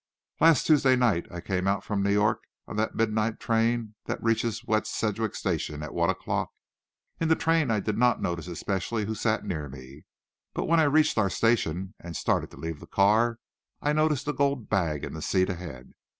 "Last Tuesday night I came out from New York on that midnight train that reaches West Sedgwick station at one o'clock. In the train I did not notice especially who sat near me, but when I reached our station and started to leave the car, I noticed a gold bag in the seat ahead.